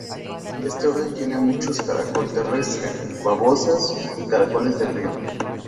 Este orden tiene muchos caracol terrestre, babosas y caracoles de río.